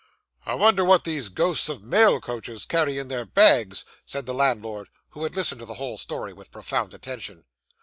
'I wonder what these ghosts of mail coaches carry in their bags,' said the landlord, who had listened to the whole story with profound attention.